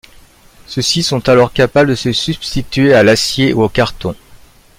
Ceux-ci sont alors capables de se substituer à l'acier ou au carton.